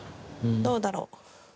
どうだろう？